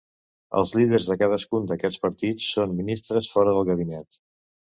Els líders de cadascun d'aquests partits són ministres fora del gabinet.